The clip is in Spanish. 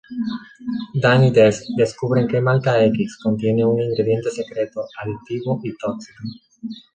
Dan y Dex descubren que Marca X contiene un ingrediente secreto adictivo y tóxico.